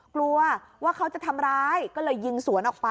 กลัวว่าเขาจะทำร้ายก็เลยยิงสวนออกไป